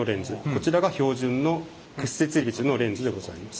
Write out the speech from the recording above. こちらが標準の屈折率のレンズでございます。